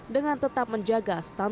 dengan tetap menjaga kesehatan